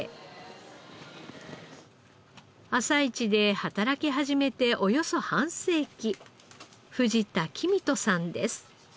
朝市で働き始めておよそ半世紀藤田公人さんです。